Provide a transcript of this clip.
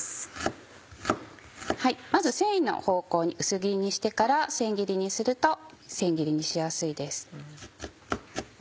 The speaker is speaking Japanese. まず繊維の方向に薄切りにしてから千切りにすると千切りにしやすいです。